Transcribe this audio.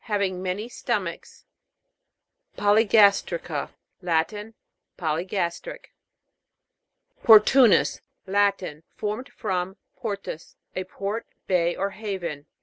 Having many stomachs. POLYGAS'TRICA. Latin. Polygas tric. PORTU'NUS. Latin. Formed from, portus, a port, bay, or haven.